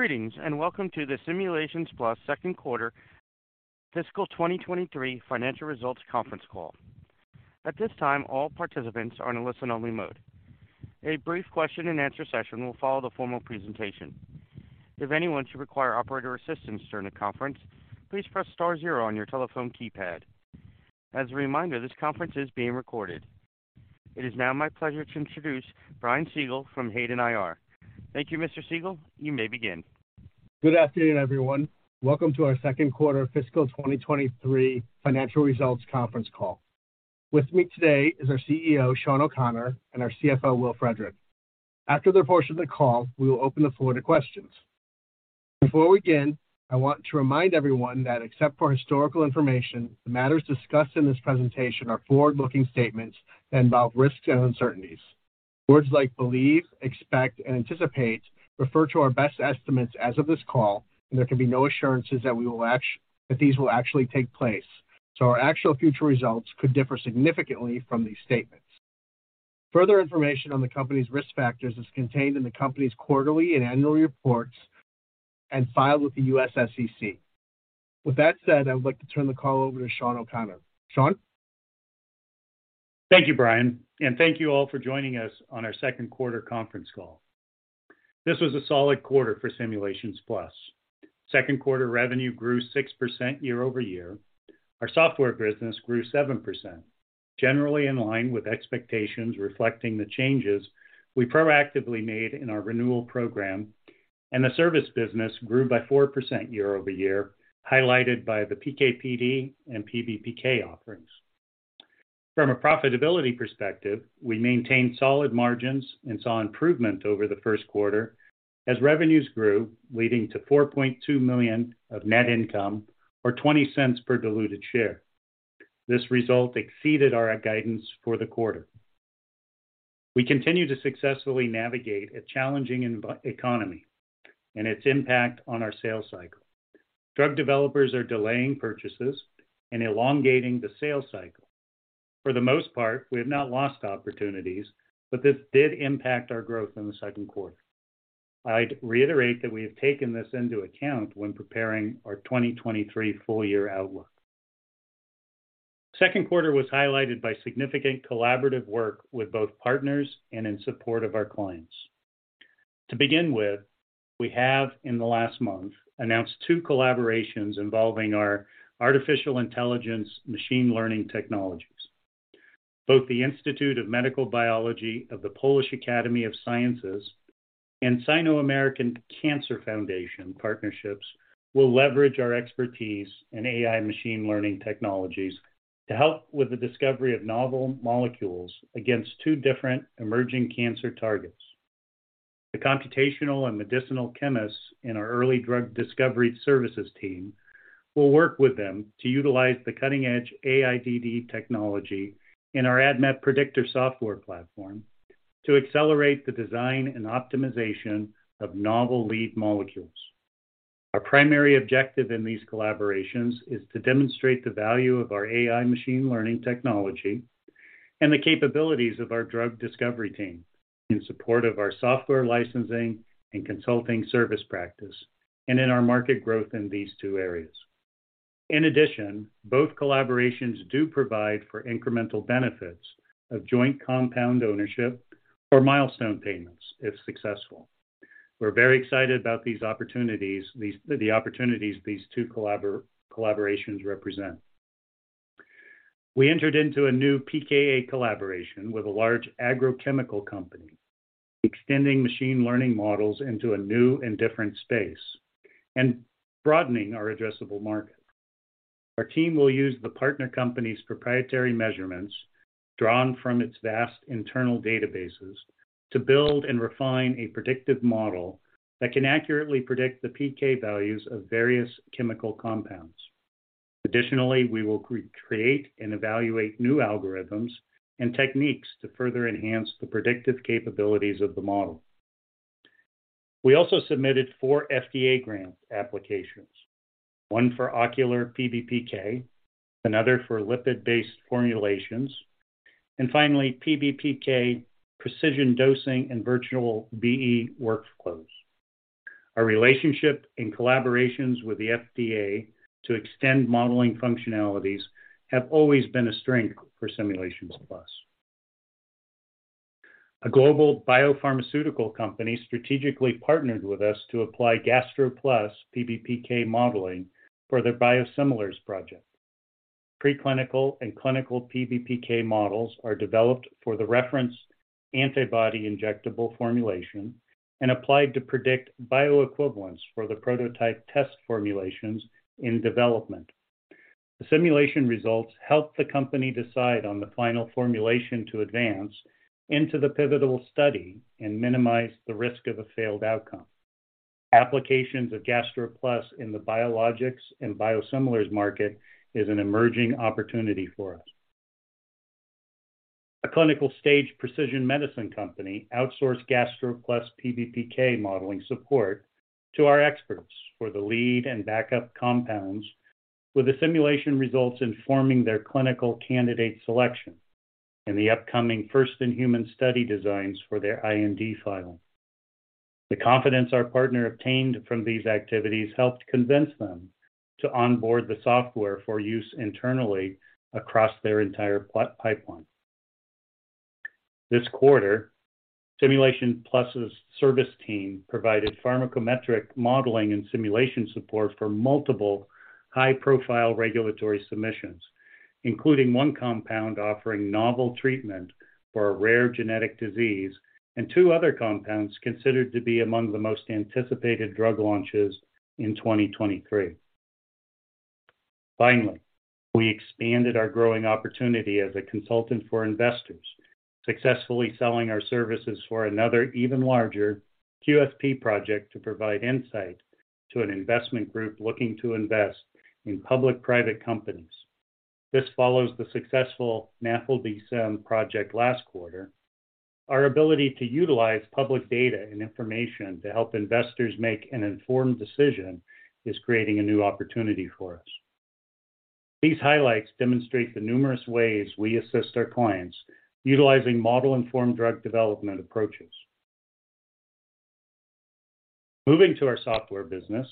Greetings, welcome to the Simulations Plus second quarter fiscal 2023 financial results conference call. At this time, all participants are in a listen-only mode. A brief question and answer session will follow the formal presentation. If anyone should require operator assistance during the conference, please press star zero on your telephone keypad. As a reminder, this conference is being recorded. It is now my pleasure to introduce Brian Siegel from Hayden IR. Thank you, Mr. Siegel. You may begin. Good afternoon, everyone. Welcome to our second quarter fiscal 2023 financial results conference call. With me today is our CEO, Shawn O'Connor, and our CFO, Will Frederick. After their portion of the call, we will open the floor to questions. Before we begin, I want to remind everyone that except for historical information, the matters discussed in this presentation are forward-looking statements that involve risks and uncertainties. Words like believe, expect, and anticipate refer to our best estimates as of this call, and there can be no assurances that these will actually take place. Our actual future results could differ significantly from these statements. Further information on the company's risk factors is contained in the company's quarterly and annual reports and filed with the US SEC. With that said, I would like to turn the call over to Shawn O'Connor. Shawn? Thank you, Brian. Thank you all for joining us on our second quarter conference call. This was a solid quarter for Simulations Plus. Second quarter revenue grew 6% year-over-year. Our software business grew 7%, generally in line with expectations reflecting the changes we proactively made in our renewal program, and the service business grew by 4% year-over-year, highlighted by the PK/PD and PBPK offerings. From a profitability perspective, we maintained solid margins and saw improvement over the first quarter as revenues grew, leading to $4.2 million of net income or $0.20 per diluted share. This result exceeded our guidance for the quarter. We continue to successfully navigate a challenging economy and its impact on our sales cycle. Drug developers are delaying purchases and elongating the sales cycle. For the most part, we have not lost opportunities, but this did impact our growth in the second quarter. I'd reiterate that we have taken this into account when preparing our 2023 full year outlook. Second quarter was highlighted by significant collaborative work with both partners and in support of our clients. To begin with, we have, in the last month, announced two collaborations involving our Artificial Intelligence machine learning technologies. Both the Institute of Medical Biology of the Polish Academy of Sciences and Sino-American Cancer Foundation partnerships will leverage our expertise in AI machine learning technologies to help with the discovery of novel molecules against two different emerging cancer targets. The computational and medicinal chemists in our early drug discovery services team will work with them to utilize the cutting edge AIDD technology in our ADMET Predictor software platform to accelerate the design and optimization of novel lead molecules. Our primary objective in these collaborations is to demonstrate the value of our AI machine learning technology and the capabilities of our drug discovery team in support of our software licensing and consulting service practice and in our market growth in these two areas. Both collaborations do provide for incremental benefits of joint compound ownership or milestone payments if successful. We're very excited about the opportunities these two collaborations represent. We entered into a new pKa collaboration with a large agrochemical company, extending machine learning models into a new and different space and broadening our addressable market. Our team will use the partner company's proprietary measurements drawn from its vast internal databases to build and refine a predictive model that can accurately predict the PK values of various chemical compounds. Additionally, we will create and evaluate new algorithms and techniques to further enhance the predictive capabilities of the model. We also submitted four FDA grant applications, one for ocular PBPK, another for lipid-based formulations, and finally, PBPK precision dosing and virtual BE workflows. Our relationship and collaborations with the FDA to extend modeling functionalities have always been a strength for Simulations Plus. A global biopharmaceutical company strategically partnered with us to apply GastroPlus PBPK modeling for their biosimilars project. Preclinical and clinical PBPK models are developed for the reference antibody injectable formulation and applied to predict bioequivalence for the prototype test formulations in development. The simulation results helped the company decide on the final formulation to advance into the pivotal study and minimize the risk of a failed outcome. Applications of GastroPlus in the biologics and biosimilars market is an emerging opportunity for us. A clinical stage precision medicine company outsourced GastroPlus PBPK modeling support to our experts for the lead and backup compounds with the simulation results informing their clinical candidate selection in the upcoming first in human study designs for their IND file. The confidence our partner obtained from these activities helped convince them to onboard the software for use internally across their entire pipeline. This quarter, Simulations Plus' service team provided pharmacometric modeling and simulation support for multiple high-profile regulatory submissions, including one compound offering novel treatment for a rare genetic disease, and two other compounds considered to be among the most anticipated drug launches in 2023. Finally, we expanded our growing opportunity as a consultant for investors, successfully selling our services for another even larger QSP project to provide insight to an investment group looking to invest in public-private companies. This follows the successful NAFLDsym project last quarter. Our ability to utilize public data and information to help investors make an informed decision is creating a new opportunity for us. These highlights demonstrate the numerous ways we assist our clients utilizing model-informed drug development approaches. Moving to our software business,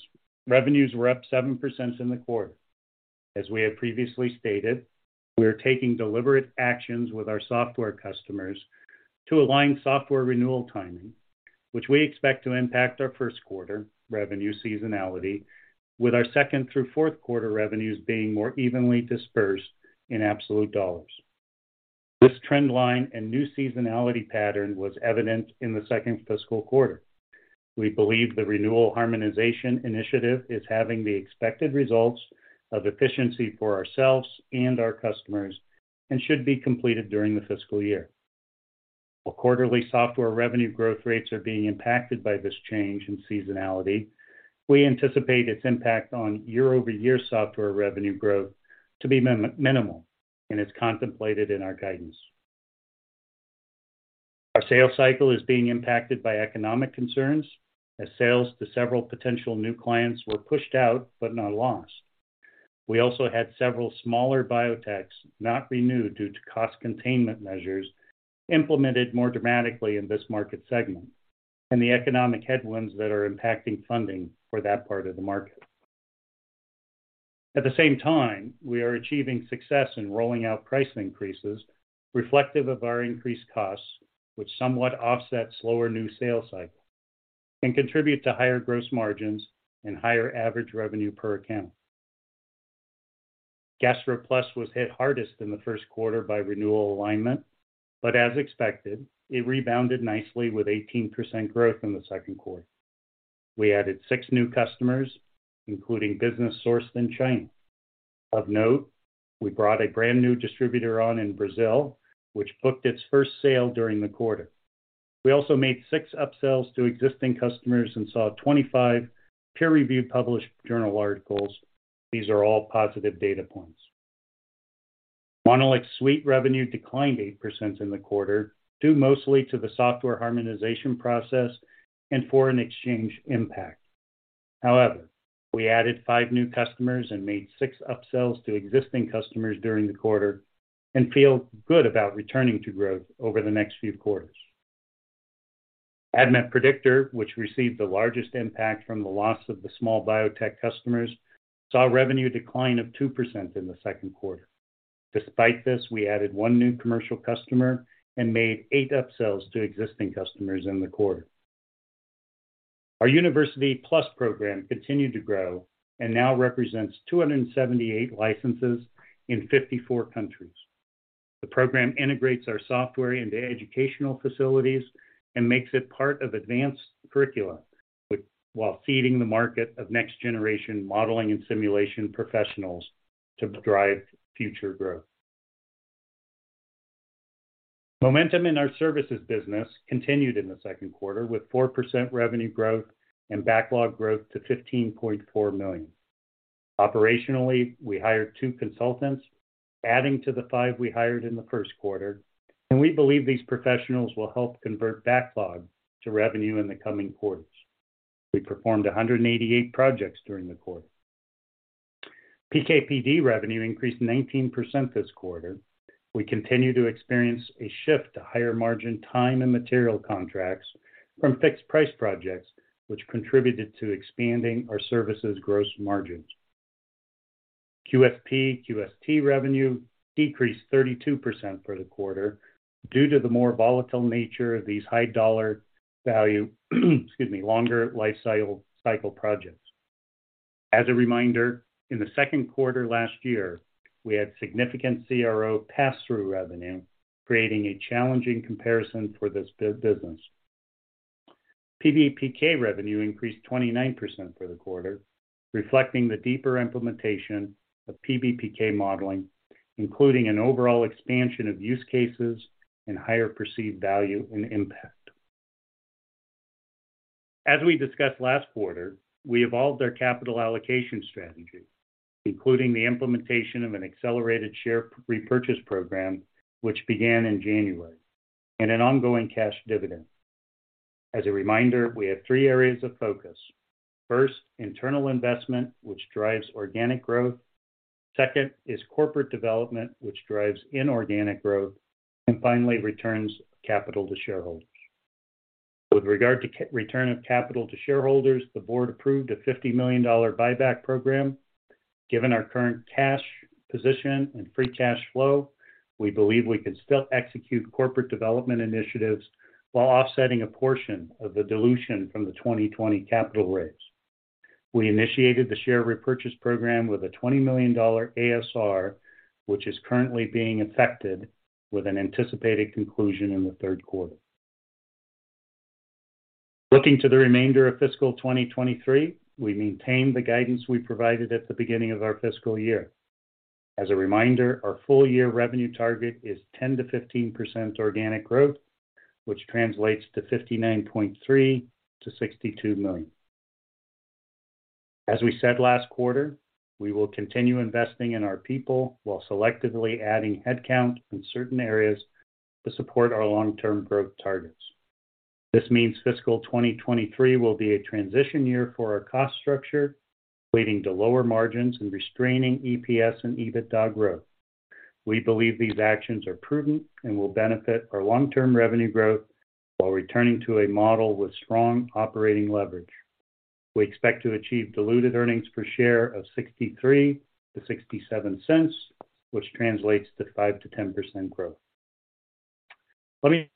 revenues were up 7% in the quarter. As we have previously stated, we are taking deliberate actions with our software customers to align software renewal timing, which we expect to impact our first quarter revenue seasonality with our second through fourth quarter revenues being more evenly dispersed in absolute dollars. This trend line and new seasonality pattern was evident in the second fiscal quarter. We believe the renewal harmonization initiative is having the expected results of efficiency for ourselves and our customers and should be completed during the fiscal year. While quarterly software revenue growth rates are being impacted by this change in seasonality, we anticipate its impact on year-over-year software revenue growth to be minimal, and it's contemplated in our guidance. Our sales cycle is being impacted by economic concerns as sales to several potential new clients were pushed out, but not lost. We also had several smaller biotechs not renew due to cost containment measures implemented more dramatically in this market segment and the economic headwinds that are impacting funding for that part of the market. At the same time, we are achieving success in rolling out price increases reflective of our increased costs, which somewhat offset slower new sales cycles and contribute to higher gross margins and higher average revenue per account. GastroPlus was hit hardest in the first quarter by renewal alignment, but as expected, it rebounded nicely with 18% growth in the second quarter. We added 6 new customers, including business sourced in China. Of note, we brought a brand new distributor on in Brazil, which booked its first sale during the quarter. We also made 6 upsells to existing customers and saw 25 peer-reviewed published journal articles. These are all positive data points. MonolixSuite revenue declined 8% in the quarter, due mostly to the software harmonization process and foreign exchange impact. We added five new customers and made six upsells to existing customers during the quarter and feel good about returning to growth over the next few quarters. ADMET Predictor, which received the largest impact from the loss of the small biotech customers, saw revenue decline of 2% in the second quarter. Despite this, we added one new commercial customer and made eight upsells to existing customers in the quarter. Our University Plus program continued to grow and now represents 278 licenses in 54 countries. The program integrates our software into educational facilities and makes it part of advanced curricula, while feeding the market of next generation modeling and simulation professionals to drive future growth. Momentum in our services business continued in the second quarter with 4% revenue growth and backlog growth to $15.4 million. Operationally, we hired two consultants, adding to the five we hired in the first quarter. We believe these professionals will help convert backlog to revenue in the coming quarters. We performed 188 projects during the quarter. PKPD revenue increased 19% this quarter. We continue to experience a shift to higher margin time and material contracts from fixed price projects, which contributed to expanding our services gross margins. QSP/QST revenue decreased 32% for the quarter due to the more volatile nature of these high dollar value, excuse me, longer life cycle projects. As a reminder, in the second quarter last year, we had significant CRO passthrough revenue, creating a challenging comparison for this business. PBPK revenue increased 29% for the quarter, reflecting the deeper implementation of PBPK modeling, including an overall expansion of use cases and higher perceived value and impact. As we discussed last quarter, we evolved our capital allocation strategy, including the implementation of an accelerated share repurchase program, which began in January, and an ongoing cash dividend. As a reminder, we have three areas of focus. First, internal investment, which drives organic growth. Second is corporate development, which drives inorganic growth. Finally, returns capital to shareholders. With regard to return of capital to shareholders, the board approved a $50 million buyback program. Given our current cash position and Free Cash Flow, we believe we can still execute corporate development initiatives while offsetting a portion of the dilution from the 2020 capital raise. We initiated the share repurchase program with a $20 million ASR, which is currently being affected with an anticipated conclusion in the third quarter. Looking to the remainder of fiscal 2023, we maintain the guidance we provided at the beginning of our fiscal year. As a reminder, our full year revenue target is 10%-15% organic growth, which translates to $59.3 million-$62 million. As we said last quarter, we will continue investing in our people while selectively adding headcount in certain areas to support our long-term growth targets. This means fiscal 2023 will be a transition year for our cost structure, leading to lower margins and restraining EPS and EBITDA growth. We believe these actions are prudent and will benefit our long-term revenue growth while returning to a model with strong operating leverage. We expect to achieve diluted earnings per share of $0.63-$0.67, which translates to 5%-10% growth. Let me turn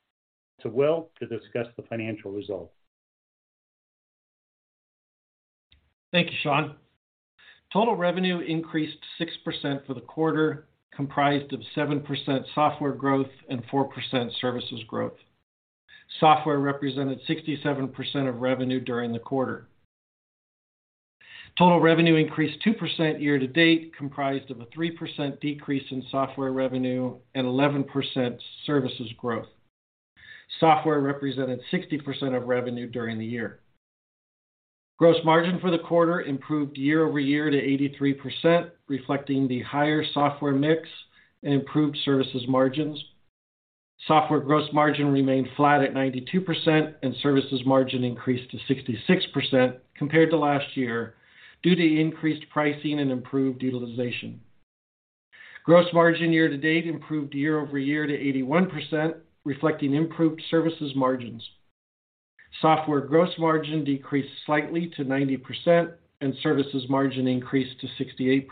it to Will to discuss the financial results. Thank you, Shawn. Total revenue increased 6% for the quarter, comprised of 7% software growth and 4% services growth. Software represented 67% of revenue during the quarter. Total revenue increased 2% year-to-date, comprised of a 3% decrease in software revenue and 11% services growth. Software represented 60% of revenue during the year. Gross margin for the quarter improved year-over-year to 83%, reflecting the higher software mix and improved services margins. Software gross margin remained flat at 92%, and services margin increased to 66% compared to last year due to increased pricing and improved utilization. Gross margin year-to-date improved year-over-year to 81%, reflecting improved services margins. Software gross margin decreased slightly to 90%, and services margin increased to 68%.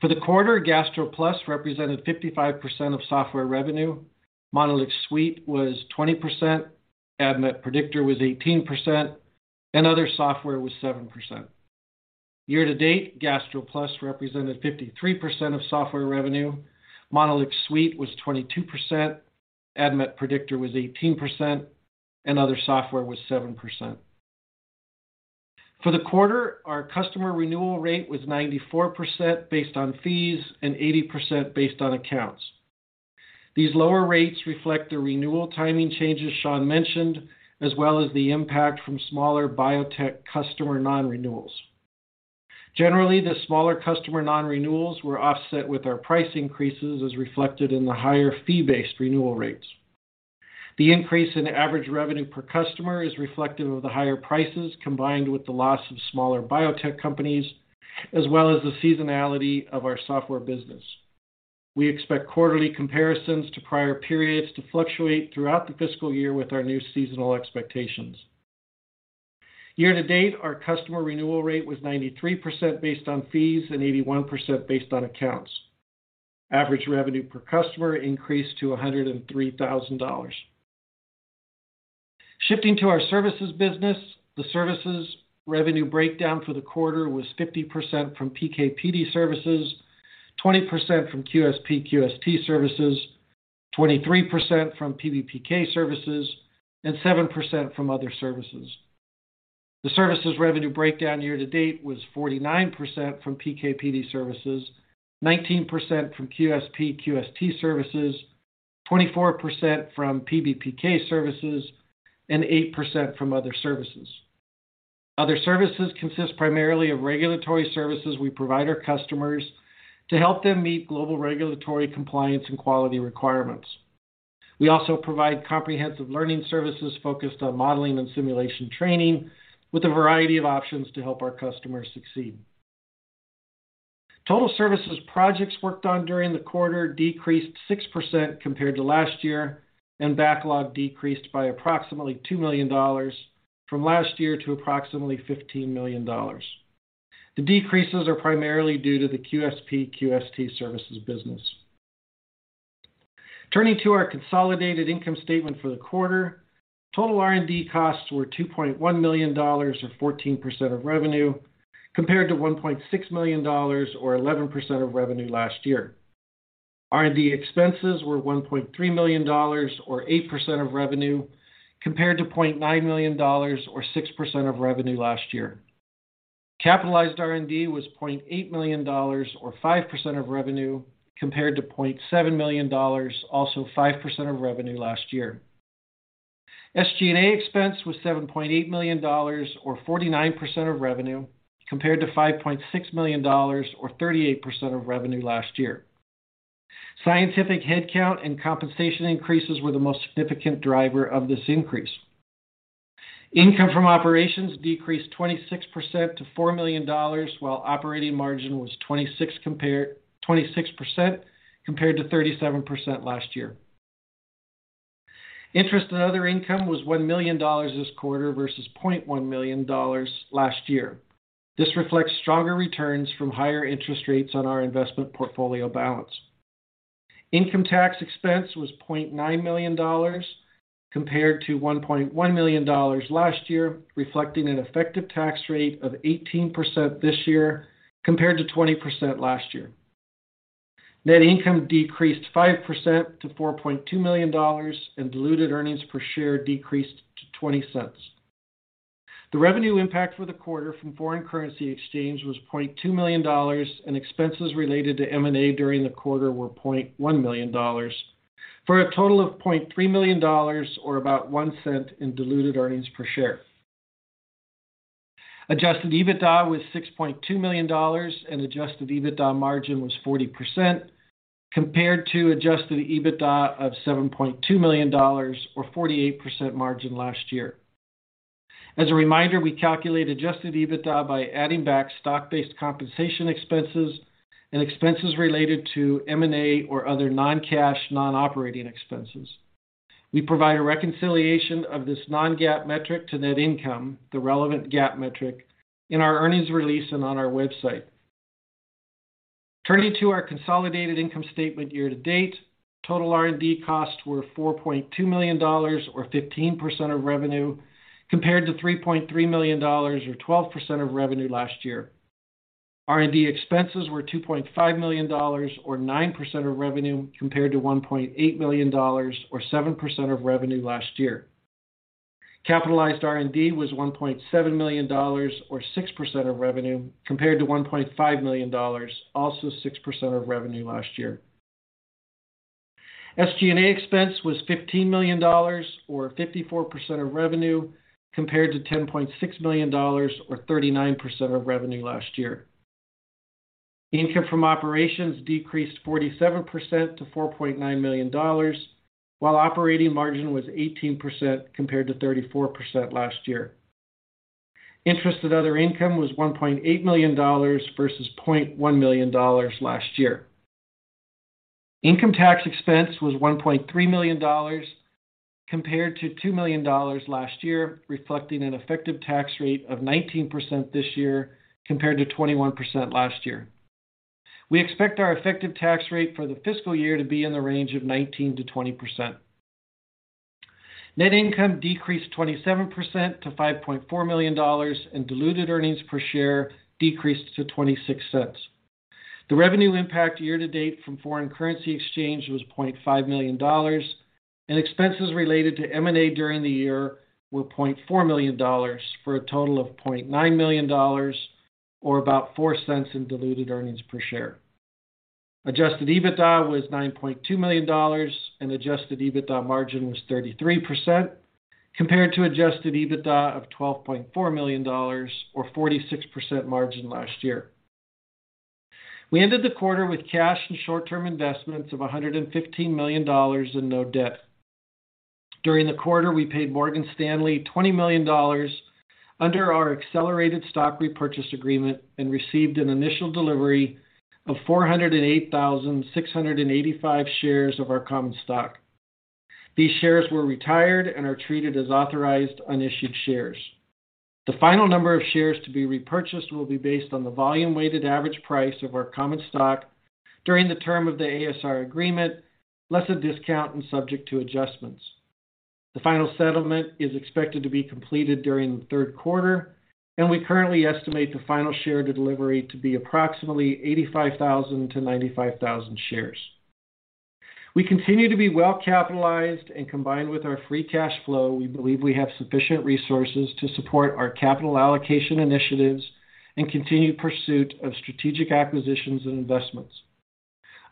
For the quarter, GastroPlus represented 55% of software revenue. MonolixSuite was 20%, ADMET Predictor was 18%, and other software was 7%. Year to date, GastroPlus represented 53% of software revenue. MonolixSuite was 22%, ADMET Predictor was 18%, and other software was 7%. For the quarter, our customer renewal rate was 94% based on fees and 80% based on accounts. These lower rates reflect the renewal timing changes Shawn mentioned, as well as the impact from smaller biotech customer non-renewals. Generally, the smaller customer non-renewals were offset with our price increases, as reflected in the higher fee-based renewal rates. The increase in average revenue per customer is reflective of the higher prices, combined with the loss of smaller biotech companies, as well as the seasonality of our software business. We expect quarterly comparisons to prior periods to fluctuate throughout the fiscal year with our new seasonal expectations. Year to date, our customer renewal rate was 93% based on fees and 81% based on accounts. Average revenue per customer increased to $103,000. Shifting to our services business. The services revenue breakdown for the quarter was 50% from PK/PD services, 20% from QSP/QST services, 23% from PBPK services, and 7% from other services. The services revenue breakdown year to date was 49% from PK/PD services, 19% from QSP/QST services, 24% from PBPK services, and 8% from other services. Other services consist primarily of regulatory services we provide our customers to help them meet global regulatory compliance and quality requirements. We also provide comprehensive learning services focused on modeling and simulation training with a variety of options to help our customers succeed. Total services projects worked on during the quarter decreased 6% compared to last year, and backlog decreased by approximately $2 million from last year to approximately $15 million. The decreases are primarily due to the QSP/QST services business. Turning to our consolidated income statement for the quarter. Total R&D costs were $2.1 million or 14% of revenue, compared to $1.6 million or 11% of revenue last year. R&D expenses were $1.3 million or 8% of revenue, compared to $0.9 million or 6% of revenue last year. Capitalized R&D was $0.8 million or 5% of revenue, compared to $0.7 million, also 5% of revenue last year. SG&A expense was $7.8 million or 49% of revenue, compared to $5.6 million or 38% of revenue last year. Scientific headcount and compensation increases were the most significant driver of this increase. Income from operations decreased 26% to $4 million, while operating margin was 26% compared to 37% last year. Interest in other income was $1 million this quarter versus $0.1 million last year. This reflects stronger returns from higher interest rates on our investment portfolio balance. Income tax expense was $0.9 million compared to $1.1 million last year, reflecting an effective tax rate of 18% this year compared to 20% last year. Net income decreased 5% to $4.2 million, and diluted earnings per share decreased to $0.20. The revenue impact for the quarter from foreign currency exchange was $0.2 million, and expenses related to M&A during the quarter were $0.1 million, for a total of $0.3 million or about $0.01 in diluted earnings per share. Adjusted EBITDA was $6.2 million, and adjusted EBITDA margin was 40% compared to adjusted EBITDA of $7.2 million or 48% margin last year. As a reminder, we calculate adjusted EBITDA by adding back stock-based compensation expenses and expenses related to M&A or other non-cash, non-operating expenses. We provide a reconciliation of this non-GAAP metric to net income, the relevant GAAP metric, in our earnings release and on our website. Turning to our consolidated income statement year to date, total R&D costs were $4.2 million or 15% of revenue, compared to $3.3 million or 12% of revenue last year. R&D expenses were $2.5 million or 9% of revenue, compared to $1.8 million or 7% of revenue last year. Capitalized R&D was $1.7 million or 6% of revenue, compared to $1.5 million, also 6% of revenue last year. SG&A expense was $15 million or 54% of revenue, compared to $10.6 million or 39% of revenue last year. Income from operations decreased 47% to $4.9 million, while operating margin was 18% compared to 34% last year. Interest and other income was $1.8 million versus $0.1 million last year. Income tax expense was $1.3 million compared to $2 million last year, reflecting an effective tax rate of 19% this year compared to 21% last year. We expect our effective tax rate for the fiscal year to be in the range of 19%-20%. Net income decreased 27% to $5.4 million and diluted earnings per share decreased to $0.26. The revenue impact year to date from foreign currency exchange was $0.5 million and expenses related to M&A during the year were $0.4 million for a total of $0.9 million or about $0.04 in diluted earnings per share. Adjusted EBITDA was $9.2 million and adjusted EBITDA margin was 33% compared to adjusted EBITDA of $12.4 million or 46% margin last year. We ended the quarter with cash and short-term investments of $115 million and no debt. During the quarter, we paid Morgan Stanley $20 million under our accelerated stock repurchase agreement and received an initial delivery of 408,685 shares of our common stock. These shares were retired and are treated as authorized unissued shares. The final number of shares to be repurchased will be based on the volume-weighted average price of our common stock during the term of the ASR agreement, less a discount and subject to adjustments. The final settlement is expected to be completed during the third quarter. We currently estimate the final share to delivery to be approximately 85,000-95,000 shares. We continue to be well capitalized and combined with our free cash flow, we believe we have sufficient resources to support our capital allocation initiatives and continued pursuit of strategic acquisitions and investments.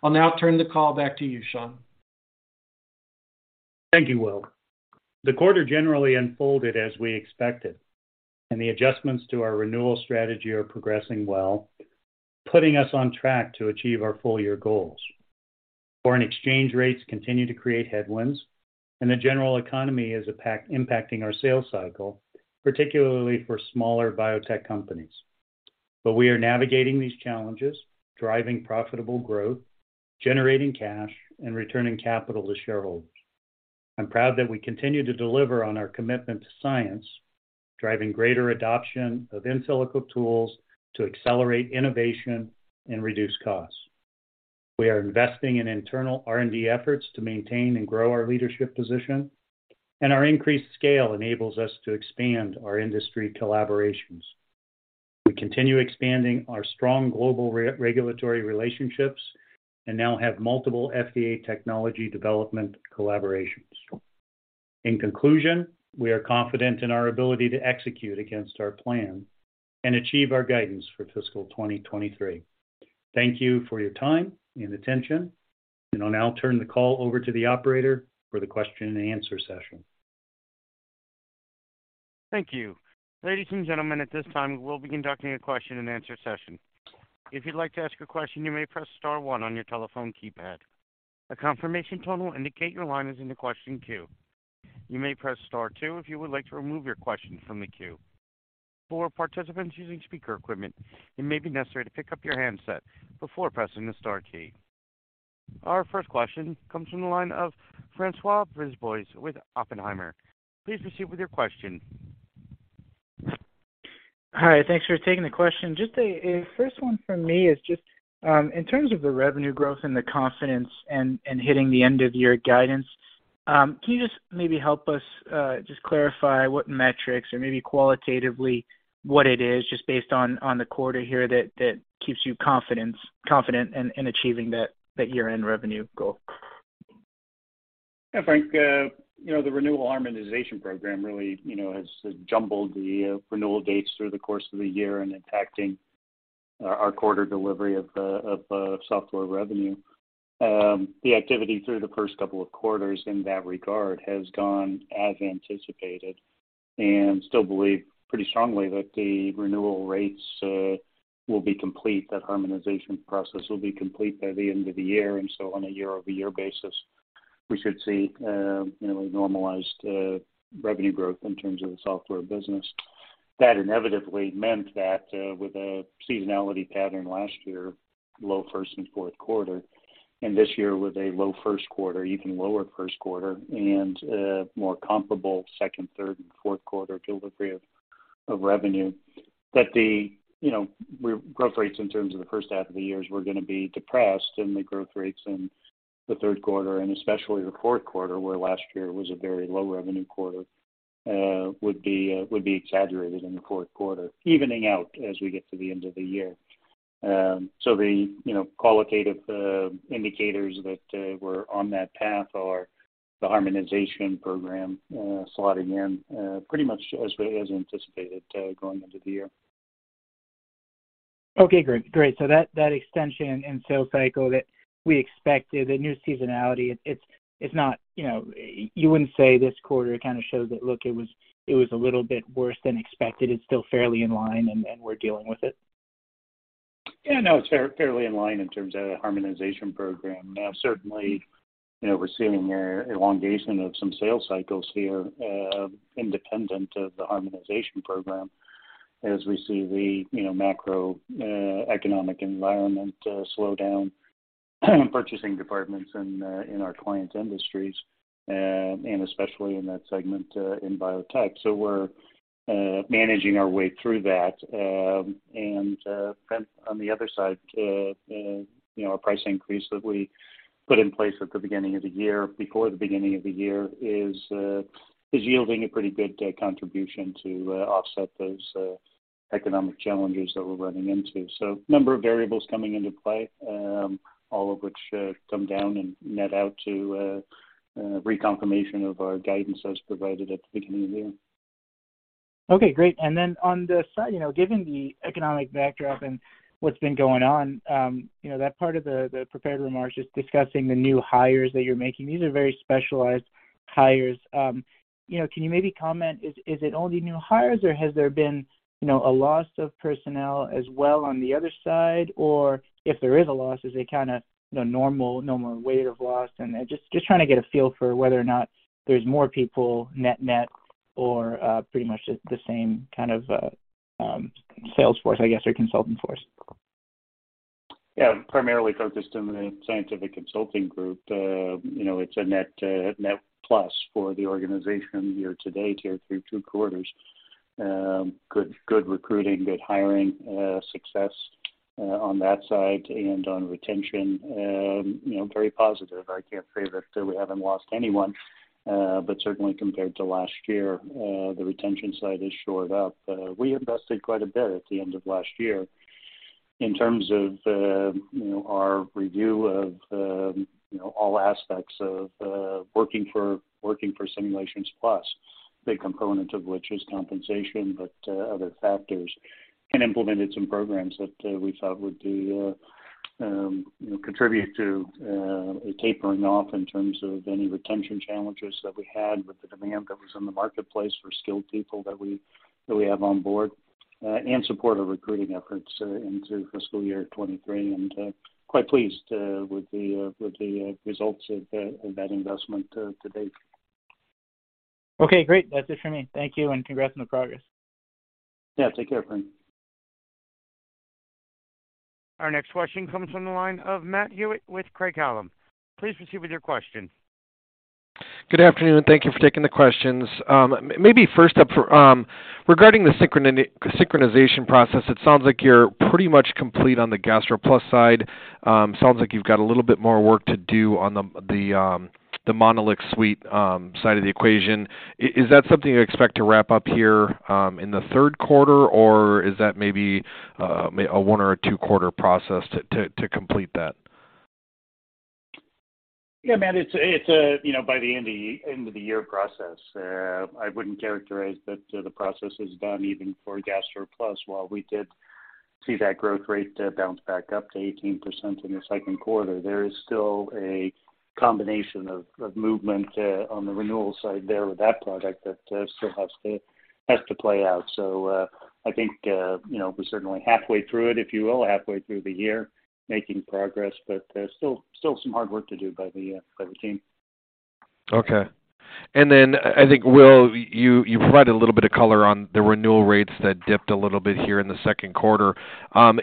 I'll now turn the call back to you, Shawn. Thank you, Will. The quarter generally unfolded as we expected, and the adjustments to our renewal strategy are progressing well, putting us on track to achieve our full-year goals. Foreign exchange rates continue to create headwinds and the general economy is impacting our sales cycle, particularly for smaller biotech companies. We are navigating these challenges, driving profitable growth, generating cash and returning capital to shareholders. I'm proud that we continue to deliver on our commitment to science, driving greater adoption of in silico tools to accelerate innovation and reduce costs. We are investing in internal R&D efforts to maintain and grow our leadership position, and our increased scale enables us to expand our industry collaborations. We continue expanding our strong global regulatory relationships and now have multiple FDA technology development collaborations. In conclusion, we are confident in our ability to execute against our plan and achieve our guidance for fiscal 2023. Thank you for your time and attention. We will now turn the call over to the operator for the question and answer session. Thank you. Ladies and gentlemen, at this time we will be conducting a question and answer session. If you'd like to ask a question, you may press star one on your telephone keypad. A confirmation tone will indicate your line is in the question queue. You may press star two if you would like to remove your question from the queue. For participants using speaker equipment, it may be necessary to pick up your handset before pressing the star key. Our first question comes from the line of François Brisebois with Oppenheimer & Co. Please proceed with your question. Hi, thanks for taking the question. Just a first one from me is just, in terms of the revenue growth and the confidence and hitting the end of year guidance, can you just maybe help us, just clarify what metrics or maybe qualitatively what it is just based on the quarter here that keeps you confident in achieving that year-end revenue goal? Yeah, Frank, you know, the renewal harmonization program really, you know, has jumbled the renewal dates through the course of the year and impacting our quarter delivery of software revenue. The activity through the first couple of quarters in that regard has gone as anticipated, and still believe pretty strongly that the renewal rates will be complete. That harmonization process will be complete by the end of the year. On a year-over-year basis, we should see, you know, a normalized revenue growth in terms of the software business. That inevitably meant that with a seasonality pattern last year, low first and fourth quarter, and this year with a low first quarter, even lower first quarter, and a more comparable second, third and fourth quarter delivery of revenue. That the, you know, growth rates in terms of the first half of the years were gonna be depressed and the growth rates in the third quarter and especially the fourth quarter, where last year was a very low revenue quarter, would be exaggerated in the fourth quarter, evening out as we get to the end of the year. The, you know, qualitative indicators that were on that path are the harmonization program, slotting in, pretty much as anticipated, going into the year. Okay, great. Great. That extension and sales cycle that we expected, the new seasonality, it's not, you know, you wouldn't say this quarter kind of showed that look, it was a little bit worse than expected. It's still fairly in line and we're dealing with it. Yeah, no, it's fairly in line in terms of the harmonization program. Certainly, you know, we're seeing elongation of some sales cycles here, independent of the harmonization program as we see the, you know, macro economic environment slow down purchasing departments in our client industries, and especially in that segment in biotech. We're managing our way through that. On the other side, you know, a price increase that we put in place at the beginning of the year, before the beginning of the year is yielding a pretty good contribution to offset those economic challenges that we're running into. Number of variables coming into play, all of which come down and net out to a reconfirmation of our guidance as provided at the beginning of the year. Okay, great. Then on the side, you know, given the economic backdrop and what's been going on, you know, that part of the prepared remarks just discussing the new hires that you're making, these are very specialized hires. You know, can you maybe comment, is it only new hires or has there been, you know, a loss of personnel as well on the other side? If there is a loss, is it kind of normal rate of loss? Just trying to get a feel for whether or not there's more people net-net or pretty much the same kind of sales force, I guess, or consulting force? Primarily focused on the scientific consulting group. You know, it's a net plus for the organization year to date here through two quarters. Good recruiting, good hiring, success on that side and on retention. You know, very positive. I can't say that we haven't lost anyone, certainly compared to last year, the retention side is shored up. We invested quite a bit at the end of last year in terms of, you know, our review of, you know, all aspects of working for Simulations Plus, big component of which is compensation, but other factors, and implemented some programs that we thought would contribute to a tapering off in terms of any retention challenges that we had with the demand that was in the marketplace for skilled people that we have on board and support our recruiting efforts into fiscal year 2023. Quite pleased with the results of that investment to date. Okay, great. That's it for me. Thank you, and congrats on the progress. Yeah, take care, Frank. Our next question comes from the line of Matt Hewitt with Craig-Hallum. Please proceed with your question. Good afternoon. Thank you for taking the questions. Maybe first up regarding the synchronization process, it sounds like you're pretty much complete on the GastroPlus side. Sounds like you've got a little bit more work to do on the MonolixSuite side of the equation. Is that something you expect to wrap up here in the third quarter, or is that maybe a one or a two quarter process to complete that? Yeah, Matt, it's a, by the end of the year process. I wouldn't characterize that the process is done even for GastroPlus. While we did see that growth rate bounce back up to 18% in the second quarter. There is still a combination of movement on the renewal side there with that product that still has to play out. I think, you know, we're certainly halfway through it, if you will, halfway through the year, making progress, but there's still some hard work to do by the team. Okay. I think, Will, you provided a little bit of color on the renewal rates that dipped a little bit here in the second quarter.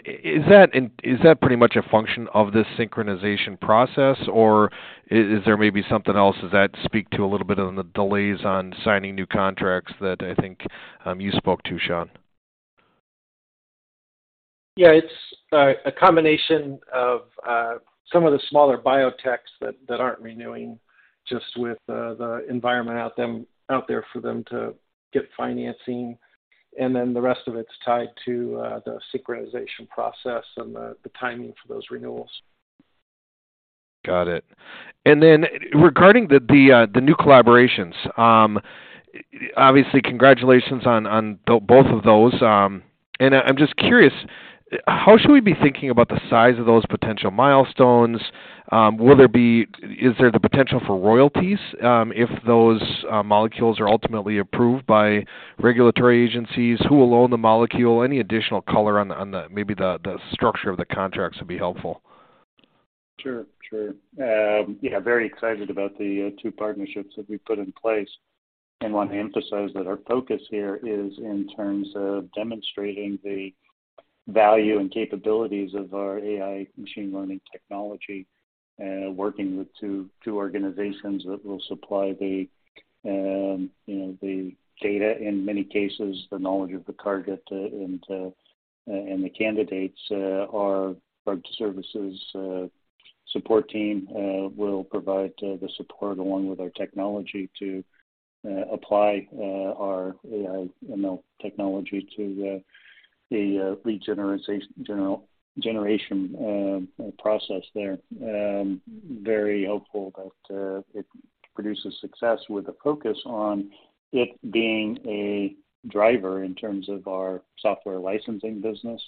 Is that pretty much a function of this synchronization process, or is there maybe something else? Does that speak to a little bit on the delays on signing new contracts that I think, you spoke to, Shawn? Yeah. It's a combination of some of the smaller biotechs that aren't renewing just with the environment out there for them to get financing. The rest of it's tied to the synchronization process and the timing for those renewals. Got it. Then regarding the new collaborations, obviously, congratulations on both of those. I'm just curious, how should we be thinking about the size of those potential milestones? Is there the potential for royalties, if those molecules are ultimately approved by regulatory agencies? Who will own the molecule? Any additional color on the, maybe the structure of the contracts would be helpful. Sure, sure. Yeah, very excited about the two partnerships that we've put in place. Want to emphasize that our focus here is in terms of demonstrating the value and capabilities of our AI machine learning technology, working with two organizations that will supply the, you know, the data, in many cases, the knowledge of the target, and the candidates. Our drug services support team will provide the support along with our technology to apply our AI/ML technology to the generation process there. Very hopeful that it produces success with a focus on it being a driver in terms of our software licensing business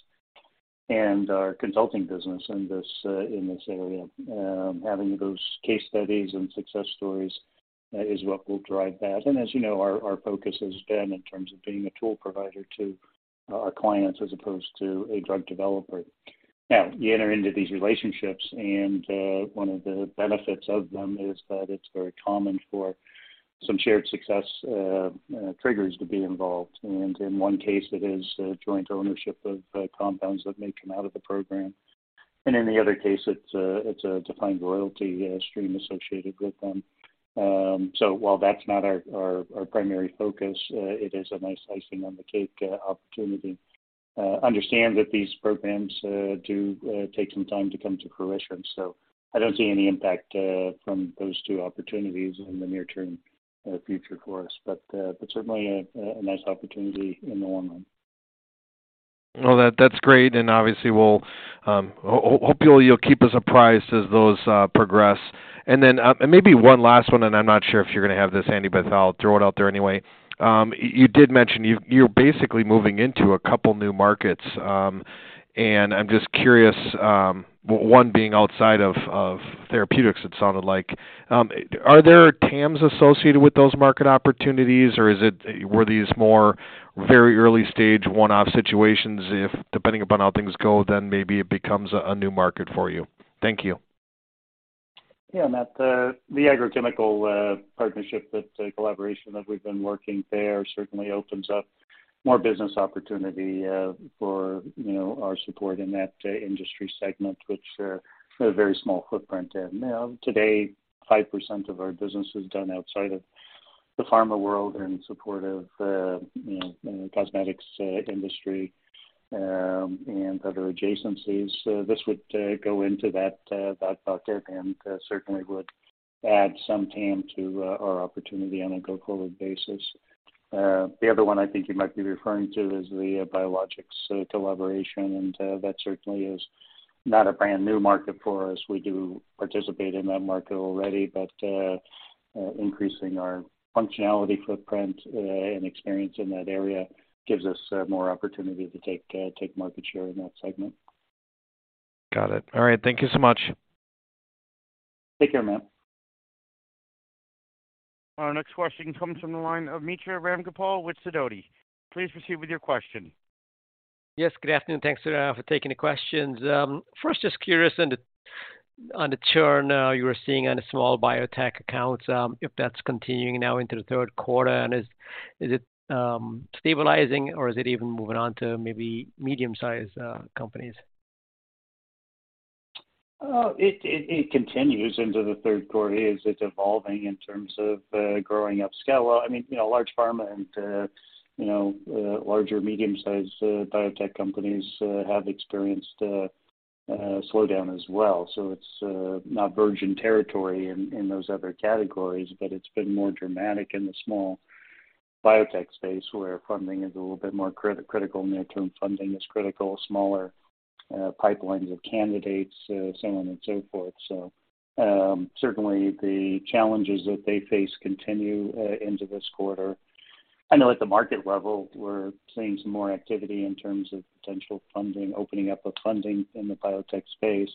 and our consulting business in this area. Having those case studies and success stories is what will drive that. As you know, our focus has been in terms of being a tool provider to our clients as opposed to a drug developer. Now, you enter into these relationships, and one of the benefits of them is that it's very common for some shared success triggers to be involved. In one case, it is joint ownership of compounds that may come out of the program. In the other case, it's a defined royalty stream associated with them. While that's not our primary focus, it is a nice icing on the cake opportunity. Understand that these programs do take some time to come to fruition. I don't see any impact from those two opportunities in the near term future for us. Certainly a nice opportunity in the long run. Well, that's great. Obviously, we'll hopefully you'll keep us apprised as those progress. Then, and maybe one last one, and I'm not sure if you're gonna have this handy, but I'll throw it out there anyway. You did mention you're basically moving into a couple new markets. I'm just curious, one being outside of therapeutics, it sounded like. Are there TAMs associated with those market opportunities, or were these more very early stage one-off situations if, depending upon how things go, then maybe it becomes a new market for you? Thank you. Yeah, Matt. The agrochemical partnership, that collaboration that we've been working there certainly opens up more business opportunity for our support in that industry segment, which we have a very small footprint in. Today, 5% of our business is done outside of the pharma world in support of cosmetics industry and other adjacencies. This would go into that bucket and certainly would add some TAM to our opportunity on a go-forward basis. The other one I think you might be referring to is the biologics collaboration. That certainly is not a brand new market for us. We do participate in that market already. Increasing our functionality footprint, and experience in that area gives us, more opportunity to take market share in that segment. Got it. All right. Thank you so much. Take care, Matt. Our next question comes from the line of Mitra Ramgopal with Sidoti & Company. Please proceed with your question. Yes, good afternoon. Thanks for taking the questions. First, just curious on the, on the churn, you were seeing on the small biotech accounts, if that's continuing now into the third quarter. Is it stabilizing or is it even moving on to maybe medium-sized companies? It continues into the third quarter. It's, it's evolving in terms of growing up scale. I mean, you know, large pharma and, you know, larger medium-sized biotech companies have experienced slowdown as well. It's not virgin territory in those other categories, but it's been more dramatic in the small biotech space where funding is a little bit more critical, near-term funding is critical. Smaller pipelines of candidates, so on and so forth. Certainly the challenges that they face continue into this quarter. I know at the market level, we're seeing some more activity in terms of potential funding, opening up of funding in the biotech space.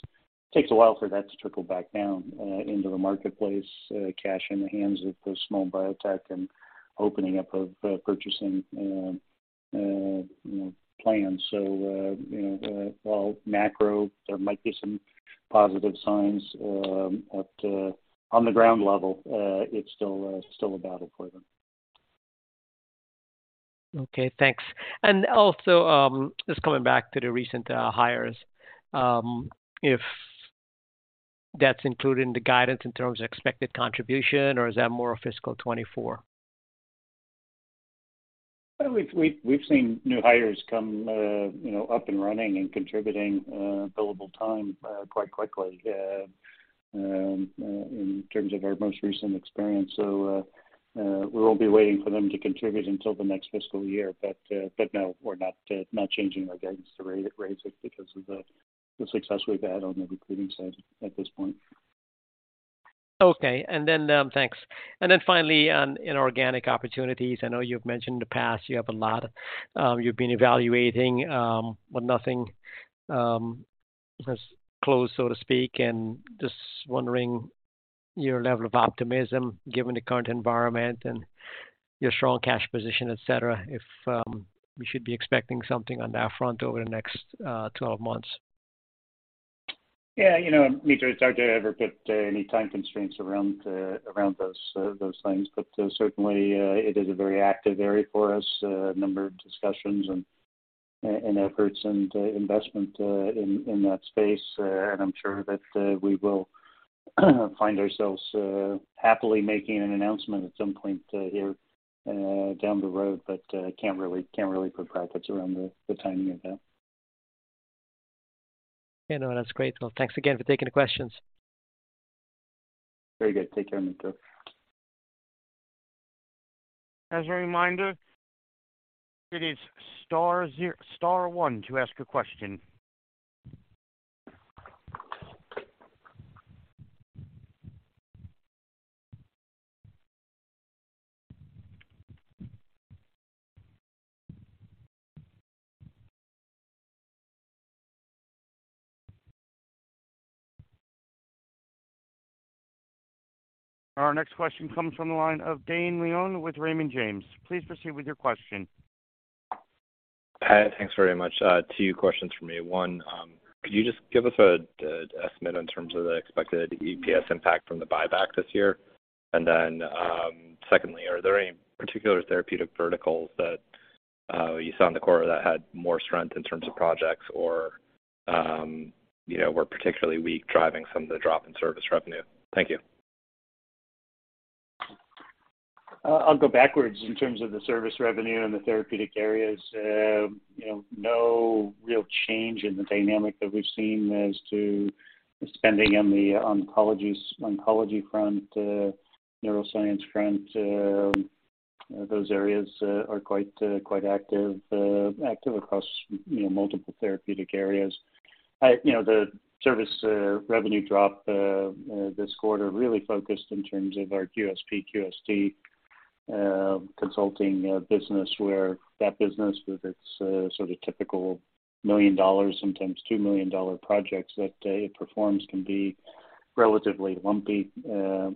Takes a while for that to trickle back down into the marketplace, cash in the hands of the small biotech and opening up of purchasing, you know, plans. You know, while macro there might be some positive signs, at on the ground level, it's still a battle for them. Okay, thanks. Just coming back to the recent hires, if that's included in the guidance in terms of expected contribution or is that more fiscal 2024? We've seen new hires come, you know, up and running and contributing billable time quite quickly in terms of our most recent experience. We won't be waiting for them to contribute until the next fiscal year. No, we're not not changing our guidance to raise it because of the success we've had on the recruiting side at this point. Okay. Thanks. Finally on inorganic opportunities. I know you've mentioned in the past you have a lot, you've been evaluating, but nothing has closed, so to speak. Just wondering your level of optimism given the current environment and your strong cash position, et cetera. If, we should be expecting something on that front over the next, 12 months. Yeah, you know, Mitra, it's hard to ever put any time constraints around those things. Certainly, it is a very active area for us. A number of discussions and efforts and investment in that space. I'm sure that we will find ourselves happily making an announcement at some point here down the road. Can't really put brackets around the timing of that. You know, that's great. Well, thanks again for taking the questions. Very good. Take care, Mitra. As a reminder, it is star one to ask a question. Our next question comes from the line of Dane Leone with Raymond James. Please proceed with your question. Pat, thanks very much. Two questions from me. One, could you just give us the estimate in terms of the expected EPS impact from the buyback this year? Secondly, are there any particular therapeutic verticals that you saw in the quarter that had more strength in terms of projects or, you know, were particularly weak, driving some of the drop in service revenue? Thank you. I'll go backwards in terms of the service revenue and the therapeutic areas. You know, no real change in the dynamic that we've seen as to spending on the oncology front, neuroscience front. Those areas are quite active across, you know, multiple therapeutic areas. You know, the service revenue drop this quarter really focused in terms of our QSP, QST consulting business, where that business with its sort of typical $1 million, sometimes $2 million projects that it performs can be relatively lumpy and,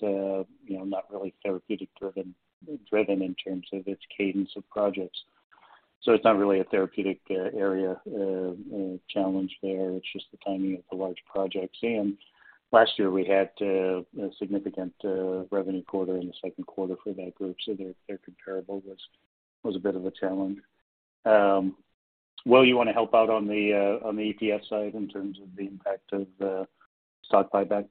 you know, not really therapeutic driven in terms of its cadence of projects. It's not really a therapeutic area challenge there. It's just the timing of the large projects. Last year we had a significant revenue quarter in the second quarter for that group. Their comparable was a bit of a challenge. Will, you wanna help out on the EPS side in terms of the impact of the stock buyback?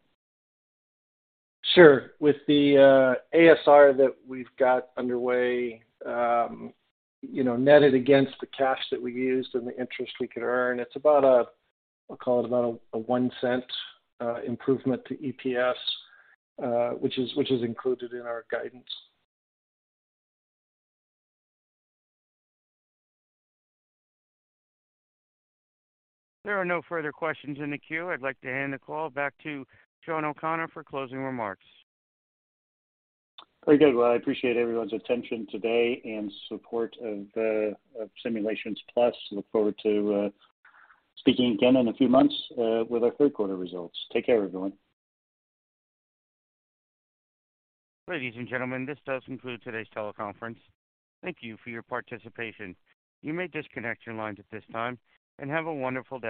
Sure. With the ASR that we've got underway, you know, netted against the cash that we used and the interest we could earn, it's about a, I'll call it about a $0.01 improvement to EPS, which is included in our guidance. There are no further questions in the queue. I'd like to hand the call back to Shawn O'Connor for closing remarks. Very good. Well, I appreciate everyone's attention today and support of Simulations Plus. Look forward to speaking again in a few months with our third quarter results. Take care, everyone. Ladies and gentlemen, this does conclude today's teleconference. Thank you for your participation. You may disconnect your lines at this time. Have a wonderful day.